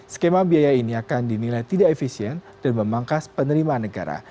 skema biaya ini akan dinilai tidak efisien dan memangkas penerimaan negara